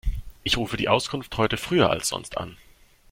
Ich rufe die Auskunft heute früher als sonst an.